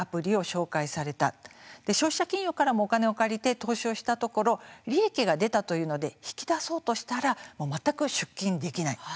消費者金融からもお金を借りて投資をしたところ利益が出たというので引き出そうとしたらもう全く出金できない。